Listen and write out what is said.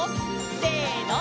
せの！